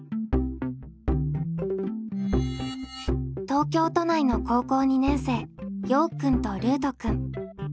東京都内の高校２年生ようくんとルートくん。